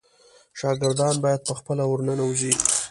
شاګردان باید په خپله ورننوزي.